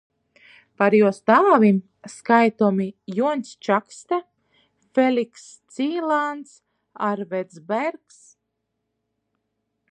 Par juos tāvim skaitomi Juoņs Čakste, Felikss Cīlāns, Arveds Bergs,